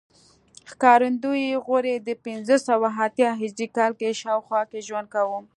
ښکارندوی غوري د پنځه سوه اتیا هجري کال په شاوخوا کې ژوند کاوه